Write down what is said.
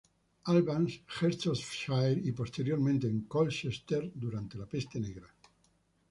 Albans, Hertfordshire, y posteriormente en Colchester durante la peste negra.